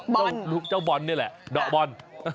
เจ้าบอลนี่แหละเดาะบอล